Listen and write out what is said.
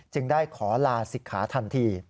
ได้ขอลาศิกขาทันที